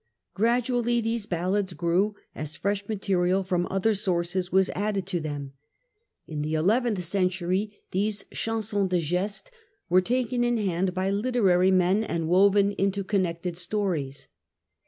Gradually these ballads grew, as fresh material from other sources was added to them. In the eleventh century these chansons de gestes were taken in hand by literary men and woven into connected stories.